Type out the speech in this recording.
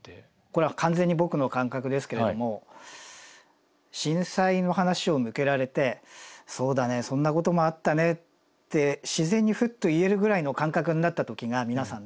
これは完全に僕の感覚ですけれども震災の話を向けられて「そうだねそんなこともあったね」って自然にふっと言えるぐらいの感覚になった時が皆さんね。